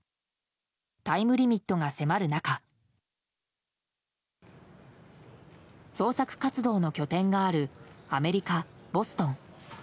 タイムリミットが迫る中捜索活動の拠点があるアメリカ・ボストン。